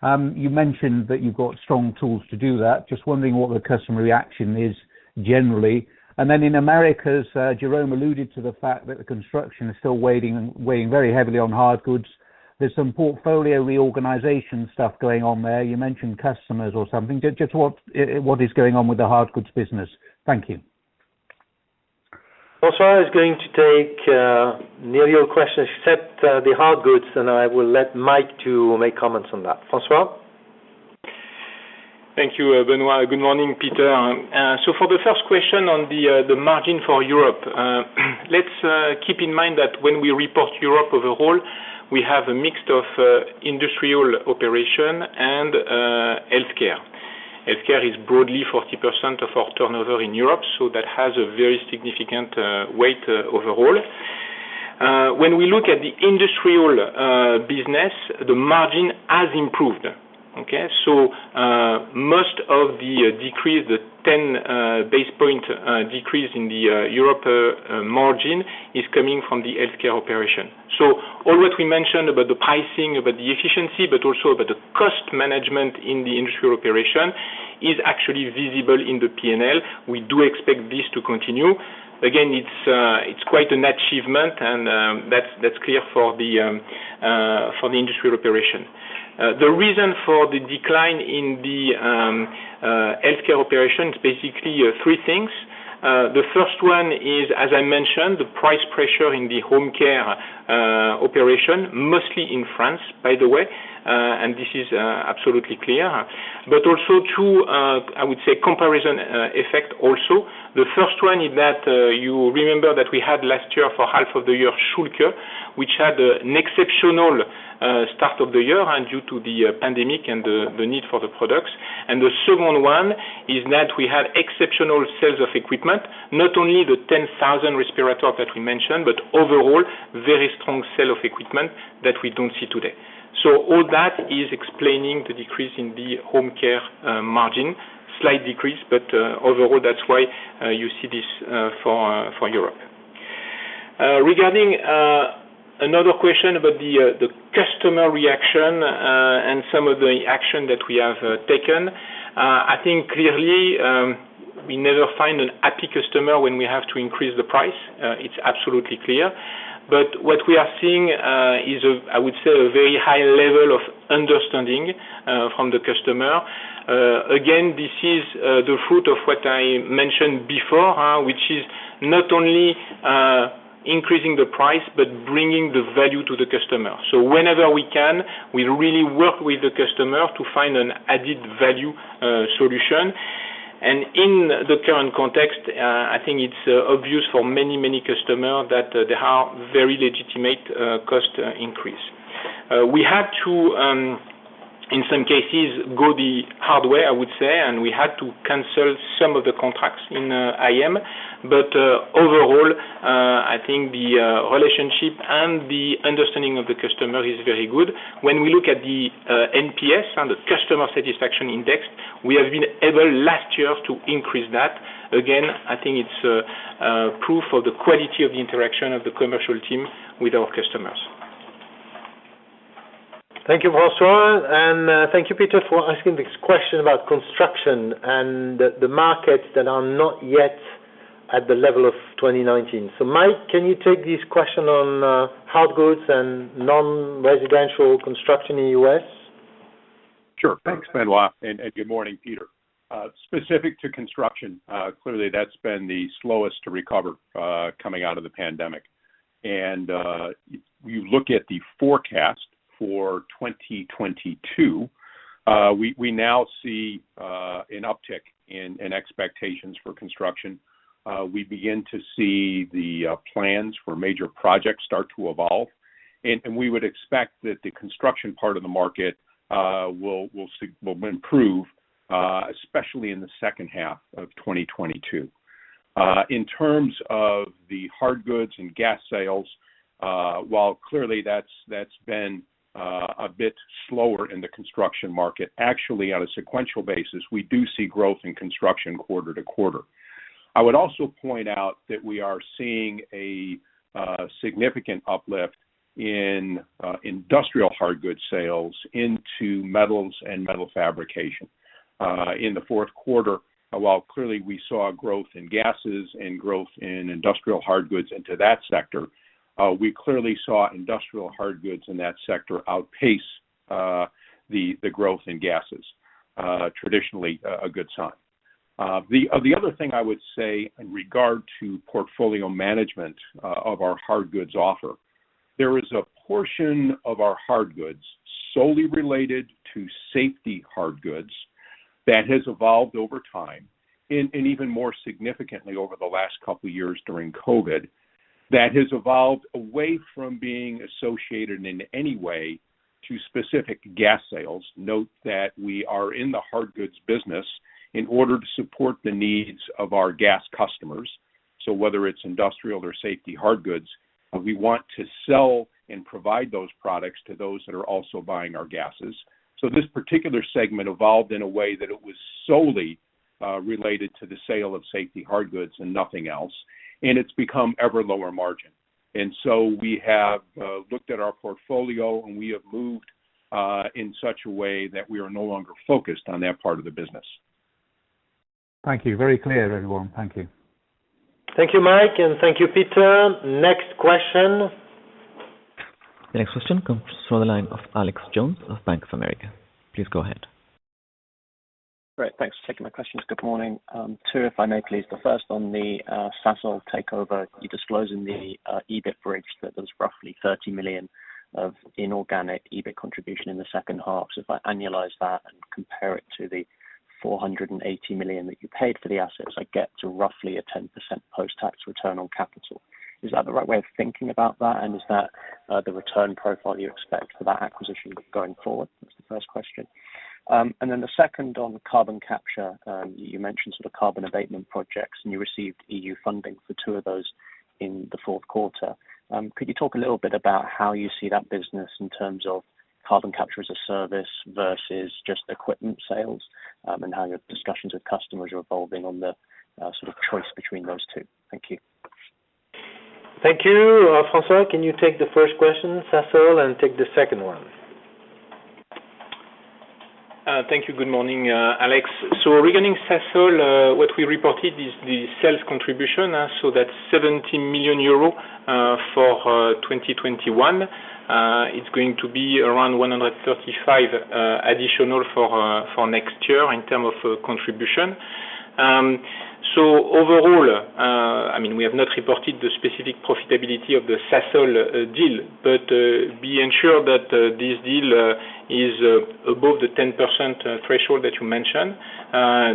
You mentioned that you've got strong tools to do that. Just wondering what the customer reaction is generally. In the Americas, Jérôme alluded to the fact that the construction is still weighing very heavily on hard goods. There's some portfolio reorganization stuff going on there. You mentioned customers or something. Just what is going on with the hard goods business? Thank you. François is going to take nearly your question except the hard goods, and I will let Mike to make comments on that. François. Thank you, Benoît. Good morning, Peter. For the first question on the margin for Europe, let's keep in mind that when we report Europe overall, we have a mix of industrial operation and healthcare. Healthcare is broadly 40% of our turnover in Europe, so that has a very significant weight overall. When we look at the industrial business, the margin has improved. Okay? Most of the decrease, the 10 basis point decrease in the Europe margin, is coming from the healthcare operation. All what we mentioned about the pricing, about the efficiency, but also about the cost management in the industrial operation is actually visible in the P&L. We do expect this to continue. Again, it's quite an achievement and that's clear for the industrial operation. The reason for the decline in the healthcare operation is basically three things. The first one is, as I mentioned, the price pressure in the home care operation, mostly in France, by the way, and this is absolutely clear. But also too, I would say comparison effect also. The first one is that you remember that we had last year for half of the year Schülke, which had an exceptional start of the year and due to the pandemic and the need for the products. The second one is that we had exceptional sales of equipment, not only the 10,000 respirators that we mentioned, but overall, very strong sales of equipment that we don't see today. All that is explaining the decrease in the home care margin. Slight decrease, but overall, that's why you see this for Europe. Regarding another question about the customer reaction and some of the action that we have taken, I think clearly, we never find a happy customer when we have to increase the price. It's absolutely clear. What we are seeing is I would say a very high level of understanding from the customer. Again, this is the fruit of what I mentioned before, which is not only increasing the price, but bringing the value to the customer. Whenever we can, we really work with the customer to find an added value solution. In the current context, I think it's obvious for many customer that there are very legitimate cost increase. We had to, in some cases, go the hard way, I would say, and we had to cancel some of the contracts in IM. Overall, I think the relationship and the understanding of the customer is very good. When we look at the NPS and the customer satisfaction index, we have been able last year to increase that. Again, I think it's proof of the quality of the interaction of the commercial team with our customers. Thank you, François, and thank you, Peter, for asking this question about construction and the markets that are not yet at the level of 2019. Mike, can you take this question on hard goods and non-residential construction in the U.S.? Sure. Thanks, Benoît. Good morning, Peter. Specific to construction, clearly that's been the slowest to recover, coming out of the pandemic. You look at the forecast for 2022, we now see an uptick in expectations for construction. We begin to see the plans for major projects start to evolve. We would expect that the construction part of the market will improve, especially in the second half of 2022. In terms of the hard goods and gas sales, while clearly that's been a bit slower in the construction market. Actually, on a sequential basis, we do see growth in construction quarter to quarter. I would also point out that we are seeing a significant uplift in industrial hard goods sales into metals and metal fabrication. In the fourth quarter, while clearly we saw growth in gases and growth in industrial hard goods into that sector, we clearly saw industrial hard goods in that sector outpace the growth in gases. Traditionally, a good sign. The other thing I would say in regard to portfolio management of our hard goods offer, there is a portion of our hard goods solely related to safety hard goods that has evolved over time, and even more significantly over the last couple years during COVID, that has evolved away from being associated in any way to specific gas sales. Note that we are in the hard goods business in order to support the needs of our gas customers. Whether it's industrial or safety hard goods, we want to sell and provide those products to those that are also buying our gases. This particular segment evolved in a way that it was solely related to the sale of safety hard goods and nothing else, and it's become ever lower margin. We have looked at our portfolio, and we have moved in such a way that we are no longer focused on that part of the business. Thank you. Very clear, everyone. Thank you. Thank you, Mike, and thank you, Peter. Next question. The next question comes from the line of Andrew Jones of Bank of America. Please go ahead. Great. Thanks for taking my questions. Good morning. Two, if I may please. The first on the Sasol takeover. You disclose in the EBIT bridge that there's roughly 30 million of inorganic EBIT contribution in the second half. If I annualize that and compare it to the 480 million that you paid for the assets, I get to roughly a 10% post-tax return on capital. Is that the right way of thinking about that, and is that the return profile you expect for that acquisition going forward? That's the first question. The second on carbon capture. You mentioned sort of carbon abatement projects, and you received EU funding for two of those in the fourth quarter. Could you talk a little bit about how you see that business in terms of carbon capture as a service versus just equipment sales, and how your discussions with customers are evolving on the sort of choice between those two? Thank you. Thank you. François, can you take the first question, Sasol, and take the second one? Thank you. Good morning, Andrew Jones. Regarding Sasol, what we reported is the sales contribution. That's 70 million euro for 2021. It's going to be around 135 million additional for next year in terms of contribution. Overall, I mean, we have not reported the specific profitability of the Sasol deal, but rest assured that this deal is above the 10% threshold that you mentioned.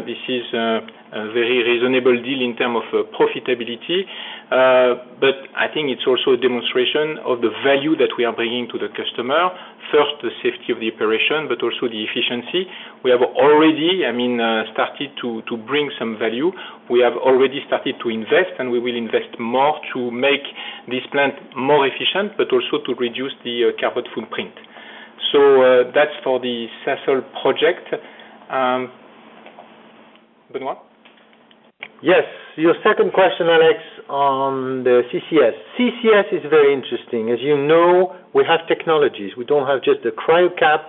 This is a very reasonable deal in terms of profitability. But I think it's also a demonstration of the value that we are bringing to the customer. First, the safety of the operation, but also the efficiency. We have already, I mean, started to bring some value. We have already started to invest, and we will invest more to make this plant more efficient, but also to reduce the carbon footprint. That's for the Sasol project. Benoît? Yes. Your second question, Alex, on the CCS. CCS is very interesting. As you know, we have technologies. We don't have just the Cryocap™.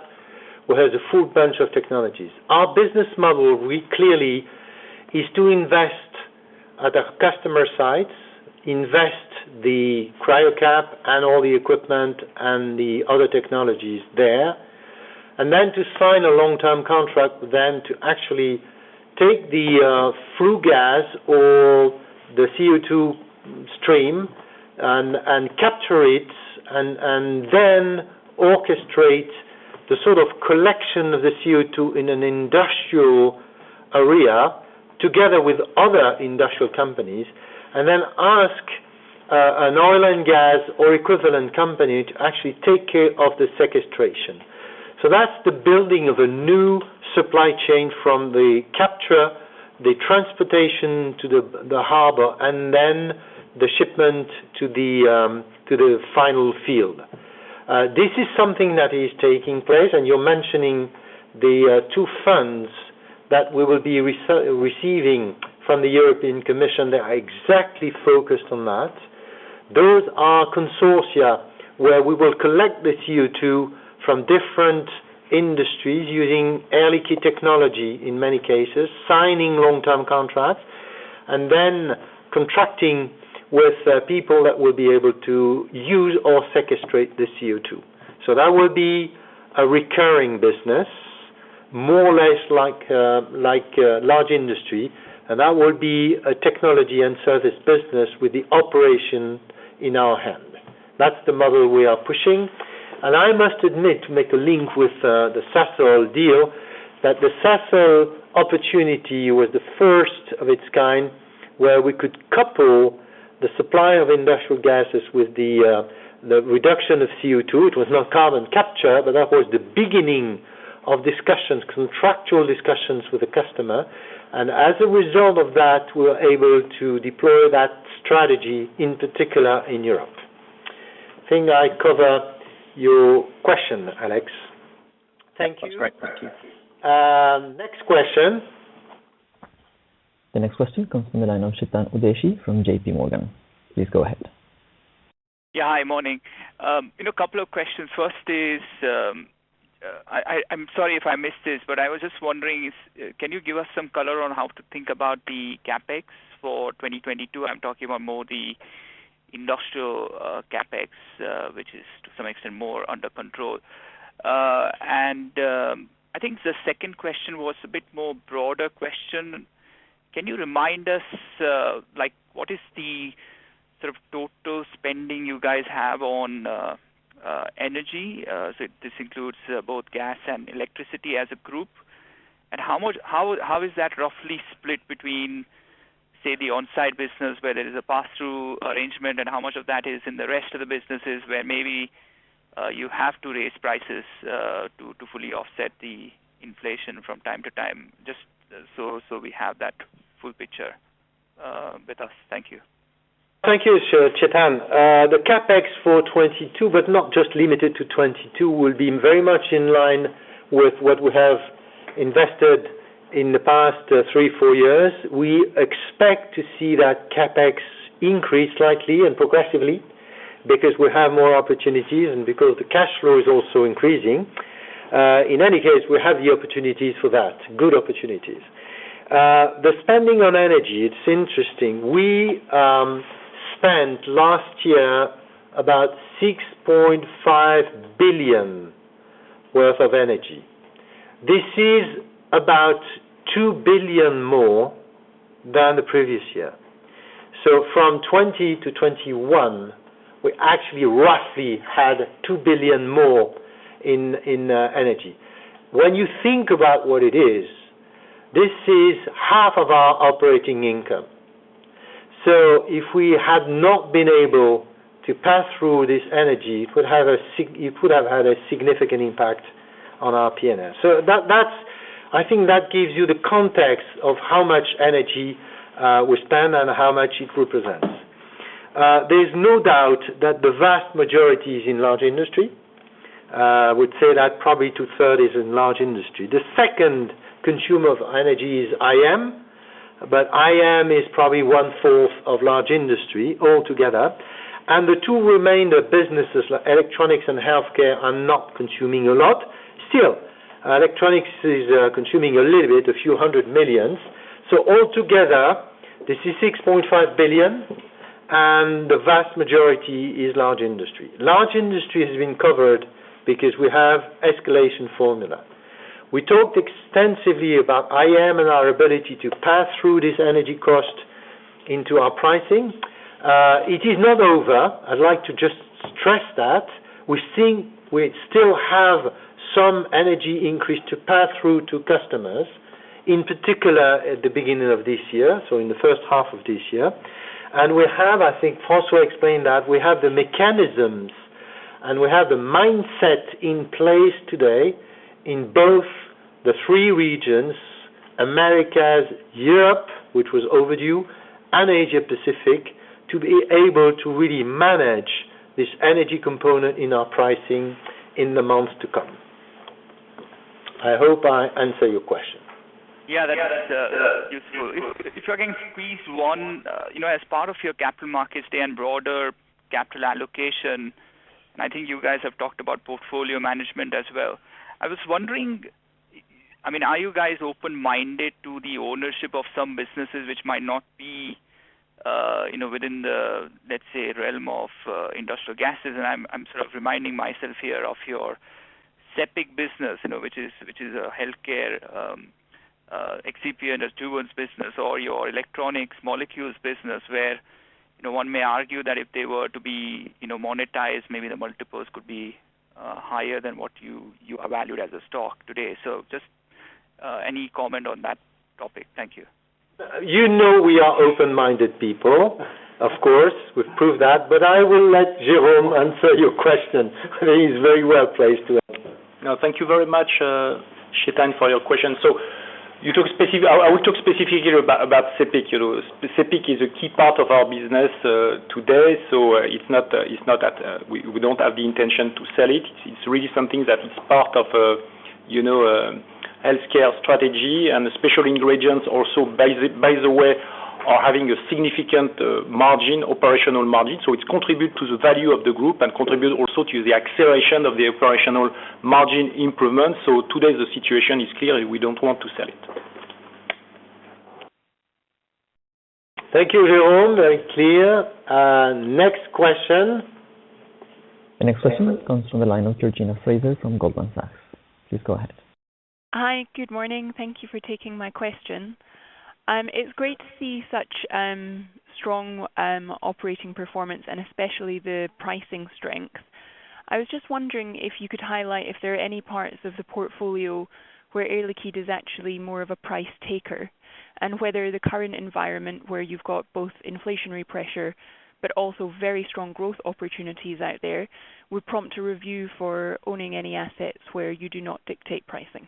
We have the full bunch of technologies. Our business model, we clearly, is to invest at a customer site, invest the Cryocap™ and all the equipment and the other technologies there, and then to sign a long-term contract then to actually take the flue gas or the CO2 stream and capture it and then orchestrate the sort of collection of the CO2 in an industrial area together with other industrial companies, and then ask an oil and gas or equivalent company to actually take care of the sequestration. That's the building of a new supply chain from the capture, the transportation to the harbor, and then the shipment to the final field. This is something that is taking place, and you're mentioning the two funds that we will be receiving from the European Commission that are exactly focused on that. Those are consortia where we will collect the CO2 from different industries using Air Liquide technology, in many cases, signing long-term contracts, and then contracting with people that will be able to use or sequestrate the CO2. That will be a recurring business, more or less like large industry. That will be a technology and service business with the operation in our hand. That's the model we are pushing. I must admit, to make a link with the Sasol deal, that the Sasol opportunity was the first of its kind where we could couple the supply of industrial gases with the reduction of CO2. It was not carbon capture, but that was the beginning of discussions, contractual discussions with the customer. As a result of that, we were able to deploy that strategy, in particular in Europe. I think I covered your question, Andrew Jones. Thank you. That's great. Thank you. Next question. The next question comes from the line of Chetan Udeshi from JP Morgan. Please go ahead. Yeah. Hi. Morning. You know, a couple of questions. First is, I'm sorry if I missed this, but I was just wondering if you can give us some color on how to think about the CapEx for 2022? I'm talking about more the industrial CapEx, which is to some extent more under control. I think the second question was a bit more broader question. Can you remind us, like what is the sort of total spending you guys have on energy? So this includes both gas and electricity as a group. How is that roughly split between, say, the on-site business where there is a pass-through arrangement and how much of that is in the rest of the businesses where maybe you have to raise prices to fully offset the inflation from time to time? Just so we have that full picture with us. Thank you. Thank you, Chetan. The CapEx for 2022, but not just limited to 2022, will be very much in line with what we have invested in the past three or four years. We expect to see that CapEx increase slightly and progressively because we have more opportunities and because the cash flow is also increasing. In any case, we have the opportunities for that, good opportunities. The spending on energy, it's interesting. We spent last year about 6.5 billion worth of energy. This is about 2 billion more than the previous year. From 2020 to 2021, we actually roughly had 2 billion more in energy. When you think about what it is, this is half of our operating income. If we had not been able to pass through this energy, it would have had a significant impact on our P&L. That gives you the context of how much energy we spend and how much it represents. There's no doubt that the vast majority is in Large Industries. I would say that probably two-thirds is in Large Industries. The second consumer of energy is IM. But IM is probably one-fourth of Large Industries altogether, and the two remaining businesses, Electronics and Healthcare, are not consuming a lot. Still, Electronics is consuming a little bit, a few hundred million. Altogether, this is 6.5 billion, and the vast majority is Large Industries. Large Industries has been covered because we have escalation formula. We talked extensively about IM and our ability to pass through this energy cost into our pricing. It is not over. I'd like to just stress that. We think we still have some energy increase to pass through to customers, in particular at the beginning of this year, so in the first half of this year. We have, I think François explained that, we have the mechanisms, and we have the mindset in place today in both the three regions, Americas, Europe, which was overdue, and Asia-Pacific, to be able to really manage this energy component in our pricing in the months to come. I hope I answer your question. Yeah, that's useful. If I can squeeze one. You know as part of your capital markets and broader capital allocation, and I think you guys have talked about portfolio management as well. I was wondering, I mean, are you guys open-minded to the ownership of some businesses which might not be, you know, within the, let's say, realm of industrial gases? I'm sort of reminding myself here of your SEPPIC business, you know, which is a healthcare excipient and adjuvants business or your electronics molecules business, where, you know, one may argue that if they were to be, you know, monetized, maybe the multiples could be higher than what you are valued as a stock today. Just any comment on that topic. Thank you. You know we are open-minded people, of course, we've proved that, but I will let Jérôme answer your question. He's very well placed to answer. No, thank you very much, Chetan, for your question. You talked specific—I will talk specifically about SEPPIC. You know, SEPPIC is a key part of our business today. It's not that we don't have the intention to sell it. It's really something that is part of a healthcare strategy and special ingredients also, by the way, are having a significant margin, operational margin. It contributes to the value of the group and contributes also to the acceleration of the operational margin improvement. Today, the situation is clear. We don't want to sell it. Thank you, Jérôme. Very clear. Next question. The next question comes from the line of Georgina Fraser from Goldman Sachs. Please go ahead. Hi. Good morning. Thank you for taking my question. It's great to see such strong operating performance and especially the pricing strength. I was just wondering if you could highlight if there are any parts of the portfolio where Air Liquide is actually more of a price taker, and whether the current environment where you've got both inflationary pressure but also very strong growth opportunities out there, would prompt a review for owning any assets where you do not dictate pricing.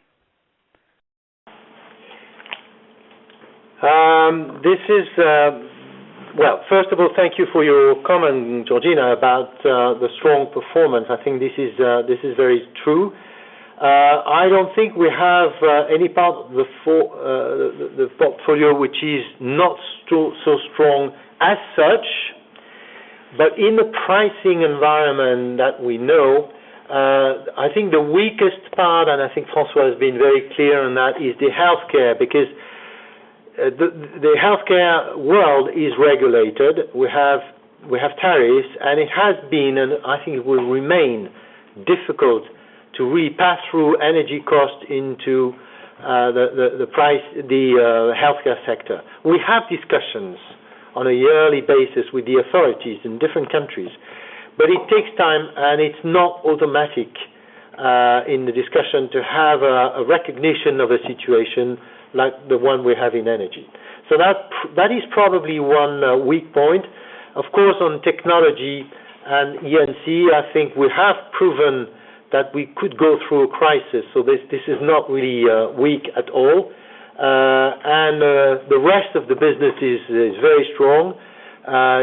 Well, first of all, thank you for your comment, Georgina, about the strong performance. I think this is very true. I don't think we have any part of the portfolio which is not so strong as such. In the pricing environment that we know, I think the weakest part, and I think François has been very clear on that, is the healthcare. Because the healthcare world is regulated. We have tariffs, and it has been, and I think it will remain difficult to really pass through energy costs into the price, the healthcare sector. We have discussions on a yearly basis with the authorities in different countries, but it takes time, and it's not automatic in the discussion to have a recognition of a situation like the one we have in energy. That is probably one weak point. Of course, on technology and E&C, I think we have proven that we could go through a crisis. This is not really weak at all. The rest of the business is very strong.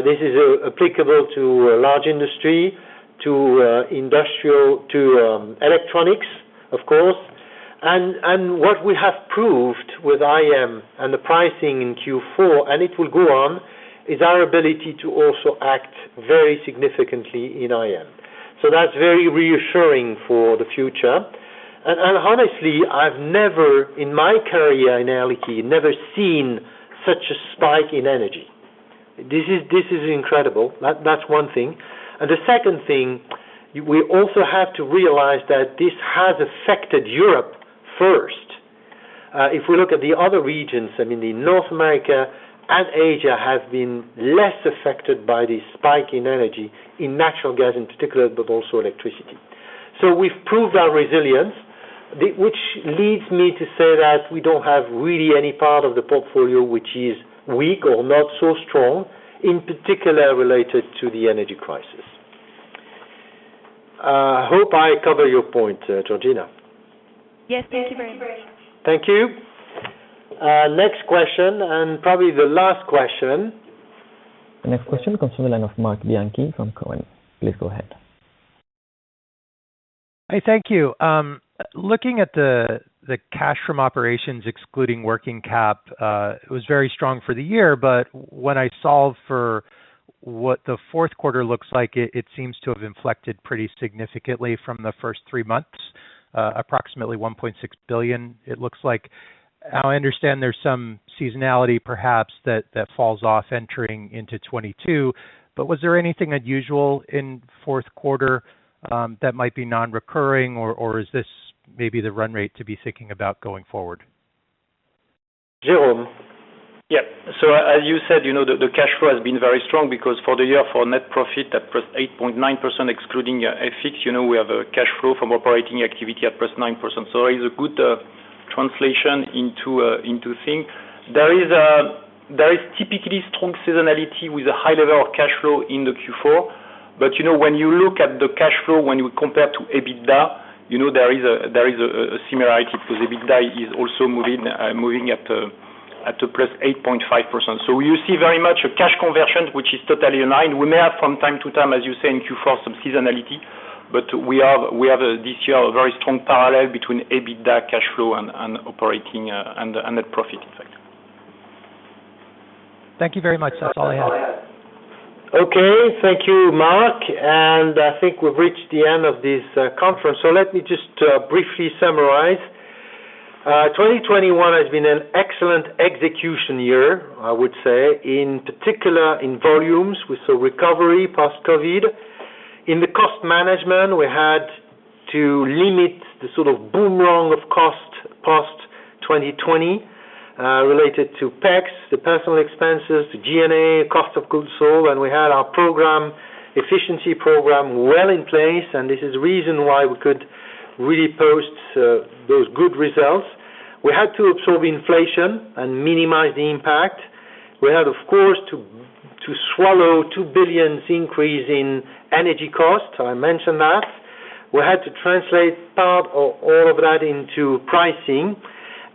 This is applicable to a large industry, to electronics, of course. What we have proved with IM and the pricing in Q4, and it will go on, is our ability to also act very significantly in IM. That's very reassuring for the future. Honestly, I've never in my career in Air Liquide seen such a spike in energy. This is incredible. That's one thing. The second thing, we also have to realize that this has affected Europe first. If we look at the other regions, I mean, North America and Asia have been less affected by this spike in energy, in natural gas in particular, but also electricity. We've proved our resilience, which leads me to say that we don't have really any part of the portfolio which is weak or not so strong, in particular related to the energy crisis. Hope I covered your point, Georgina. Yes. Thank you very much. Thank you. Next question, and probably the last question. The next question comes from the line of Marc Bianchi from Cowen. Please go ahead. Hey, thank you. Looking at the cash from operations excluding working cap, it was very strong for the year, but when I solve for what the fourth quarter looks like, it seems to have inflected pretty significantly from the first three months, approximately 1.6 billion, it looks like. I understand there's some seasonality perhaps that falls off entering into 2022. Was there anything unusual in fourth quarter that might be non-recurring or is this maybe the run rate to be thinking about going forward? Jerome. Yeah. As you said, you know, the cash flow has been very strong because for the year, for net profit at +8.9% excluding FX, you know, we have a cash flow from operating activity at +9%. It is a good translation into cash. There is typically strong seasonality with a high level of cash flow in Q4. You know, when you look at the cash flow, when you compare to EBITDA, you know, there is a similarity because EBITDA is also moving at +8.5%. You see very much a cash conversion, which is totally in line. We may have from time to time, as you say, in Q4, some seasonality, but we have this year a very strong parallel between EBITDA, cash flow, and operating and net profit in fact. Thank you very much. That's all I have. Okay. Thank you, Marc. I think we've reached the end of this conference. Let me just briefly summarize. 2021 has been an excellent execution year, I would say, in particular in volumes. We saw recovery post-COVID. In the cost management, we had to limit the sort of boom in costs post-2020 related to PEX, the personal expenses, the G&A, cost of goods sold. We had our program, efficiency program well in place, and this is the reason why we could really post those good results. We had to absorb inflation and minimize the impact. We had, of course, to swallow 2 billion increase in energy costs. I mentioned that. We had to translate part or all of that into pricing.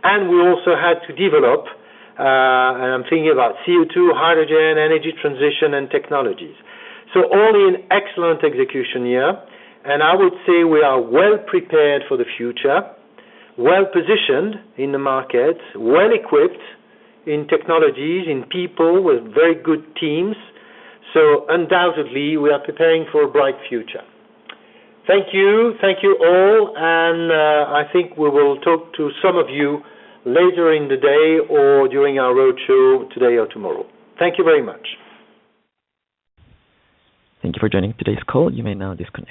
We also had to develop. I'm thinking about CO2, hydrogen, energy transition, and technologies. All in all, excellent execution year. I would say we are well prepared for the future, well-positioned in the market, well-equipped in technologies, in people with very good teams. Undoubtedly, we are preparing for a bright future. Thank you. Thank you all. I think we will talk to some of you later in the day or during our roadshow today or tomorrow. Thank you very much. Thank you for joining today's call. You may now disconnect.